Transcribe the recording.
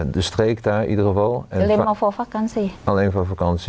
ด้วยสเตรกที่นั่นอีกละครั้ง